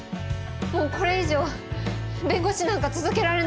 もうこれ以上弁護士なんか続けられない。